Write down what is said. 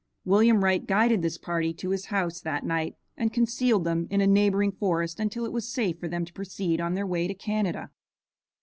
William Wright guided this party to his house that night and concealed them in a neighboring forest until it was safe for them to proceed on their way to Canada.